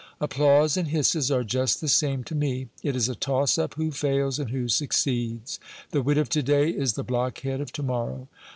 Applause and hisses are just the same t' > me. It is a toss up who fails and who succeeds : the wit of to day is the blockhead of to morrow.